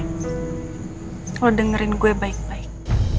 kalau dengerin gue baik baik